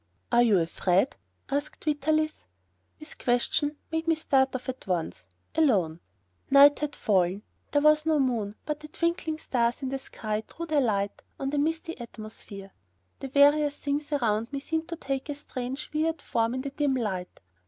"Are you afraid?" asked Vitalis. His question made me start off at once, alone. Night had fallen. There was no moon, but the twinkling stars in the sky threw their light on a misty atmosphere. The various things around me seemed to take on a strange, weird form in the dim light.